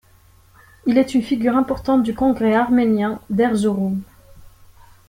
Il est une figure importante du congrès arménien d'Erzurum.